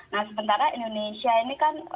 nah sementara indonesia ini kan